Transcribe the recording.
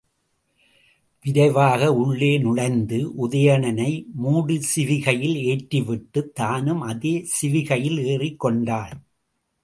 விரைவாக உள்ளே நுழைந்து, உதயணனை மூடு சிவிகையில் ஏற்றிவிட்டுத் தானும் அதே சிவிகையில் ஏறிக் கொண்டாள்.